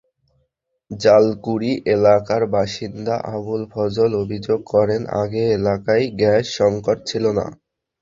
জালকুড়ি এলাকার বাসিন্দা আবুল ফজল অভিযোগ করেন, আগে এলাকায় গ্যাস-সংকট ছিল না।